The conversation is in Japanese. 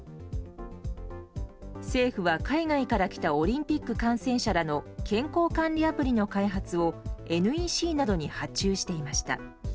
政府は海外から来たオリンピック観戦者らの健康管理アプリの開発をＮＥＣなどに発注していました。